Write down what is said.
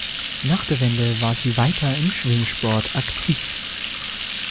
Nach der Wende war sie weiter im Schwimmsport aktiv.